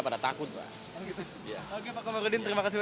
jadi tadi bu tau ya ya bu ya